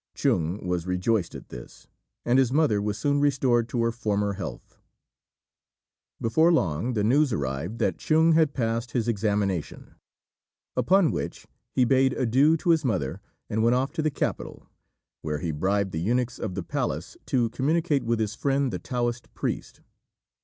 Chung was rejoiced at this, and his mother was soon restored to her former health. Before long the news arrived that Chung had passed his examination; upon which he bade adieu to his mother, and went off to the capital, where he bribed the eunuchs of the palace to communicate with his friend the Taoist priest.